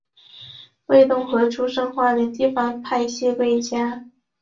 魏东河出身花莲地方派系魏家。